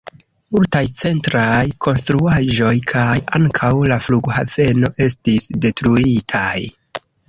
Multaj centraj konstruaĵoj kaj ankaŭ la flughaveno estis detruitaj.